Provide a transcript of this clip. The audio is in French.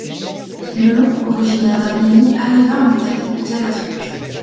Ce melon, originaire d'Arménie, arriva en Italie, via l'Afrique.